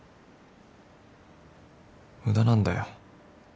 無駄なんだよ